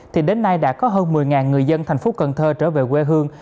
thì đến nay đã có hơn một mươi người dân thành phố cần thơ trở về quê hương